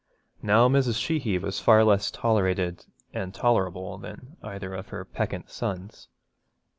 Now Mrs. Sheehy was far less tolerated and tolerable than either of her peccant sons.